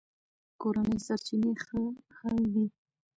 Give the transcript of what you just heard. کورني سرچینې ښه حل دي.